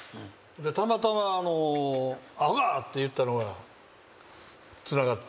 たまたま「アホか！」って言ったのがつながって。